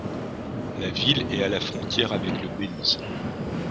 La ville est à la frontière avec le Belize.